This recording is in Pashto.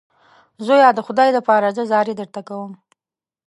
زویه د خدای دپاره زه زارۍ درته کوم.